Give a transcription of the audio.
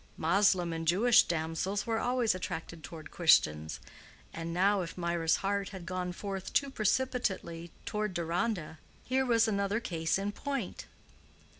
Moslem and Jewish damsels were always attracted toward Christians, and now if Mirah's heart had gone forth too precipitately toward Deronda, here was another case in point.